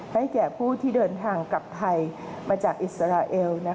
แก่ผู้ที่เดินทางกลับไทยมาจากอิสราเอล